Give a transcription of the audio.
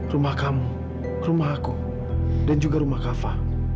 rumah kamu rumah aku dan juga rumah kava